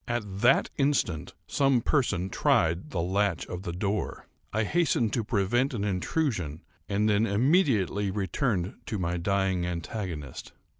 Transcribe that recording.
At that instant some person tried the latch of the door. I hastened to prevent an intrusion, and then immediately returned to my dying antagonist.